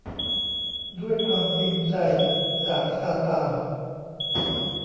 ด้วยความจริงใจ จากซาตาน